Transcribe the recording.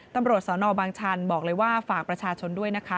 ตำรวจสนบางชันบอกเลยว่าฝากประชาชนด้วยนะคะ